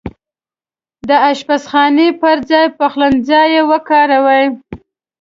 د اشپزخانې پرځاي پخلنځای وکاروئ